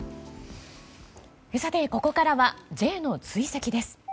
さて、ここからはＪの追跡です。